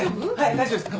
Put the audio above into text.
大丈夫ですか？